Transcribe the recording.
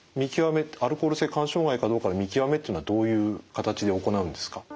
アルコール性肝障害かどうかの見極めっていうのはどういう形で行うんですか？